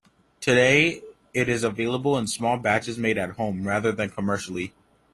Today, it is available in small batches made at home rather than commercially.